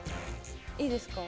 いいですか？